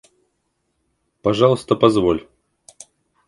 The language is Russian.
Пожалуйста, позволь!